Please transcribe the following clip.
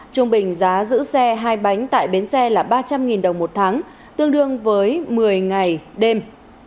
trung bình giá giữ xe hai bánh tại bến xe là ba trăm linh đồng một tháng tương đương với một mươi ngày đêm